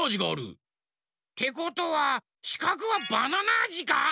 てことはしかくはバナナあじか！